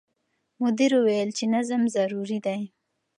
مدیر وویل چې نظم ضروري دی.